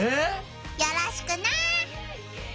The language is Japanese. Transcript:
よろしくな！